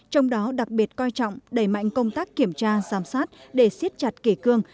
trong đó đặc biệt coi trọng đẩy mạnh công tác kiểm tra giám sát để siết chặt kỷ cương